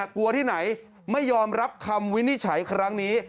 กลัวที่ไหนไม่ยอมรับคำวินิจฉัยครั้งนี้